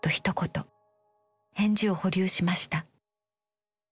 返事を保留しました。